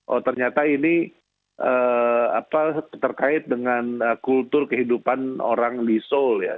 oh ternyata ini terkait dengan kultur kehidupan orang di seoul ya